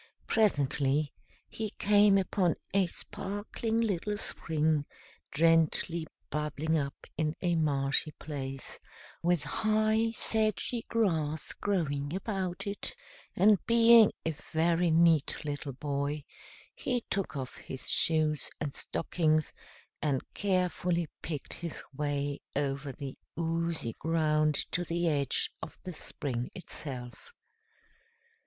Presently he came upon a sparkling little spring, gently bubbling up in a marshy place, with high, sedgy grass growing about it, and being a very neat little boy he took off his shoes and stockings, and carefully picked his way over the oozy ground to the edge of the spring itself.